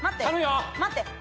待って。